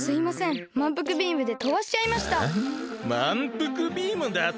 まんぷくビームだと！？